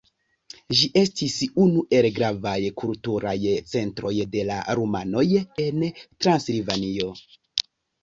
Ĝi estis unu el gravaj kulturaj centroj de la rumanoj en Transilvanio.